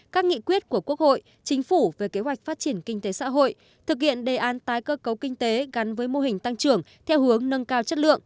các nghị quyết của quốc hội chính phủ về kế hoạch phát triển kinh tế xã hội thực hiện đề án tái cơ cấu kinh tế gắn với mô hình tăng trưởng theo hướng nâng cao chất lượng